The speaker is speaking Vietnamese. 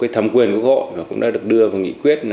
thẩm quyền của quốc hội cũng đã được đưa vào nghị quyết